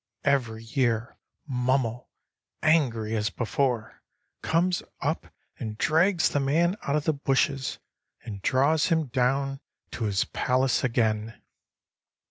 "Every year Mummel, angry as before, comes up and drags the man out of the bushes, and draws him down to his palace again.